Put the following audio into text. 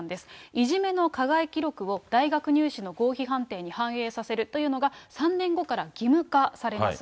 いじめの加害記録を大学入試の合否判定に反映させるというのが、３年後から義務化されます。